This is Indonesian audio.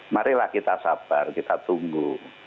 marilah kita sabar kita tunggu